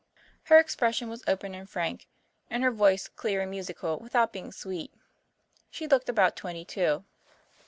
Her expression was open and frank, and her voice clear and musical without being sweet. She looked about twenty two.